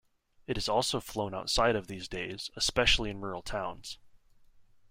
It is also flown outside of these days, especially in rural towns.